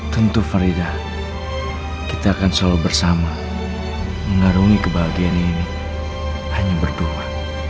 tentu farida kita akan selalu bersama mengarungi kebahagiaan ini hanya berdoa